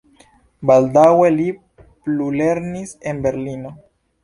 Baldaŭe li plulernis en Berlino.